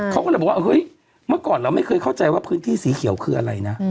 เขาก็เลยบอกว่าเฮ้ยเมื่อก่อนเราไม่เคยเข้าใจว่าพื้นที่สีเขียวคืออะไรนะ